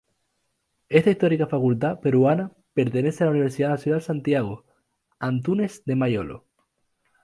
Esta histórica Facultad peruana pertenece a la Universidad Nacional Santiago Antúnez de Mayolo.